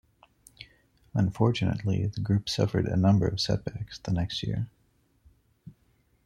Unfortunately, the group suffered a number of setbacks the next year.